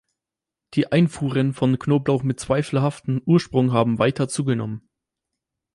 Die Einfuhren von Knoblauch mit zweifelhaftem Ursprung haben weiter zugenommen.